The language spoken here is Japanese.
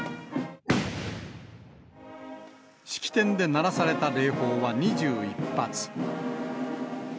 式典で鳴らされた礼砲は２１発。